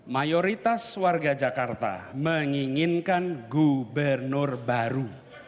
mayoritas warga jakarta menginginkan gubernur baru